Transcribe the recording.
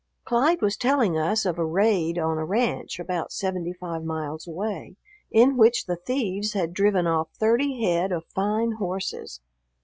Clyde was telling us of a raid on a ranch about seventy five miles away, in which the thieves had driven off thirty head of fine horses.